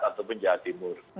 ataupun jawa timur